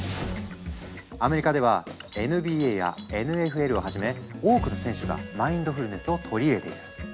アメリカではＮＢＡやＮＦＬをはじめ多くの選手がマインドフルネスを取り入れている。